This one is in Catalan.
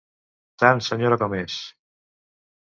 Tant senyora com és!